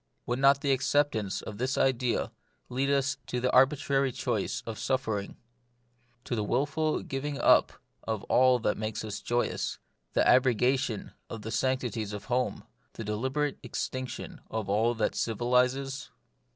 Would not the acceptance of this idea lead us to the arbitrary choice of suffering, to the wilful giving up of all that makes life joyous, the abrogation of the sanc tities of home, the deliberate extinction of all that civilises